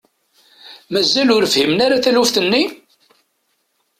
Mazal ur fhimen ara taluft-nni?